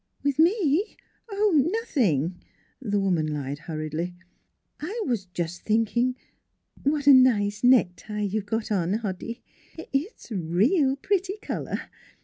"With me? Oh, nothing," the woman lied hurriedly. " I was just thinking what a nice necktie you've got on, Hoddy. It's a real pretty color.